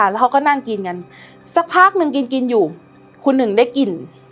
แล้วเขาก็นั่งกินกันสักพักหนึ่งกินกินอยู่คุณหนึ่งได้กลิ่น